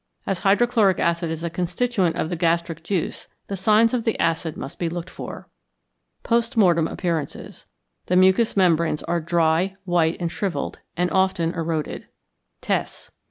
As hydrochloric acid is a constituent of the gastric juice, the signs of the acid must be looked for. Post Mortem Appearances. The mucous membranes are dry, white, and shrivelled, and often eroded. _Tests.